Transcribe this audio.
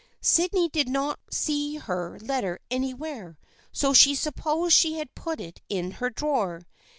Sydney did not see her letter anywhere so she supposed she had put it in her drawer.